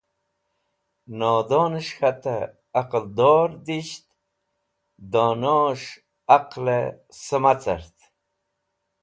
Nodonẽs̃h k̃htẽ aqẽldo disht donos̃h alql sẽma cart.